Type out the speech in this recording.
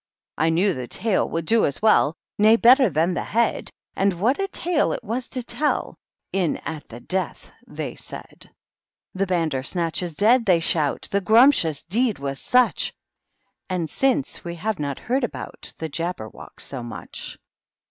I knew the tail would do as welly Nayy better than the head. And what a tale it was to tell I ^ In at the death P they said. * The Bandersnatch is dead P they shout. The gumptious deed was su^h. 20* THE MOCK TURTLE. ATid since, we have riot heard about Tlie JahherwQck so much."